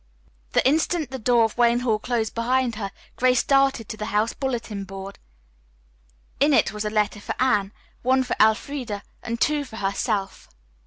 The instant the door of Wayne Hall closed behind her Grace darted to the house bulletin board. In it was a letter for Anne, one for Elfreda and two for herself.